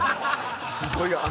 すごい汗。